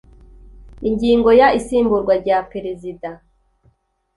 Ingingo ya isimburwa rya perezida